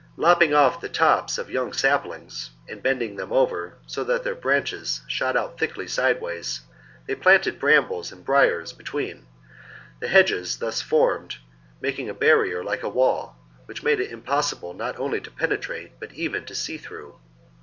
Lopping off the tops of young saplings and bending them over, so that their branches shot out thickly sideways, they planted brambles and briers between, the hedges thus formed making a barrier like a wall, which it was impossible not only to penetrate, but even to see through.